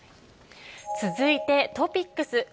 続いて、トピックス。